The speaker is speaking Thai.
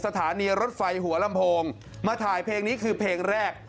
สถานีรถไฟหัวลำโพงมาถ่ายเพลงนี้คือเพลงแรก